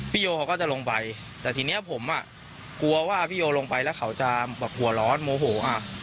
โยเขาก็จะลงไปแต่ทีนี้ผมอ่ะกลัวว่าพี่โยลงไปแล้วเขาจะแบบหัวร้อนโมโหอ่ะ